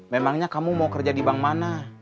memangnya kamu mau kerja di bank mana